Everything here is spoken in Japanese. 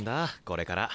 これから。